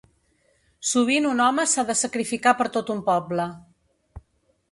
Sovint un home s’ha de sacrificar per tot un poble.